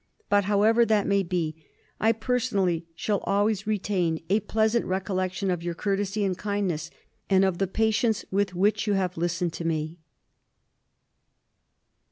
But however that may be, I personally shall always retain a pleasant recollec of your courtesy and kindness, and of the patience with which you have listened to me.